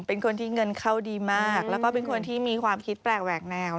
เป็นคนที่เงินเข้าดีมากแล้วก็เป็นคนที่มีความคิดแปลกแหวกแนว